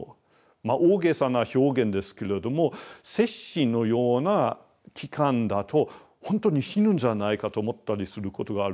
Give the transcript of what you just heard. まあ大げさな表現ですけれども接心のような期間だとほんとに死ぬんじゃないかと思ったりすることがあるんですね。